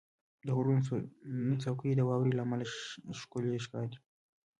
• د غرونو څوکې د واورې له امله ښکلي ښکاري.